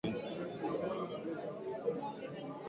She does, finding how much she loves the excitement.